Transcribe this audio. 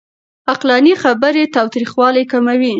عقلاني خبرې تاوتريخوالی کموي.